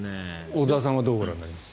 小澤さんはどうご覧になります？